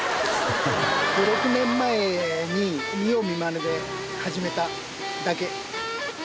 ５６年前に見よう見まねで始めただけ。